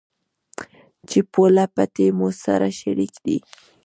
چې پوله، پټي مو سره شريک دي.